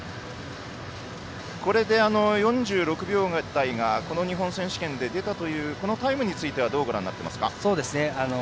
これで４６秒台が日本選手権で出たというこのタイムについてはどうですか。